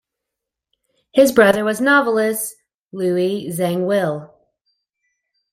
His brother was novelist Louis Zangwill.